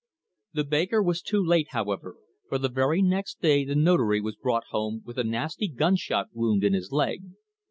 The baker was too late, however, for the very next day the Notary was brought home with a nasty gunshot wound in his leg.